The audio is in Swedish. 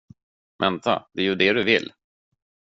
Vänta, det är ju det du vill.